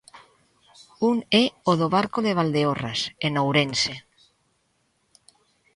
Un é o do Barco de Valdeorras, en Ourense.